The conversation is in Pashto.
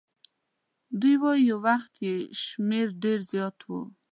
دوی وایي یو وخت یې شمیر ډېر زیات وو.